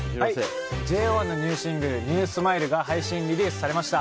ＪＯ１のニューシングル「ＮＥＷＳｍｉｌｅ」が配信リリースされました。